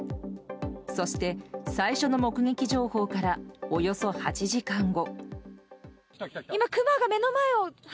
そして最初の目撃情報からおよそ８時間後。